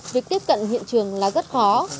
việc tiếp cận hiện trường là rất khó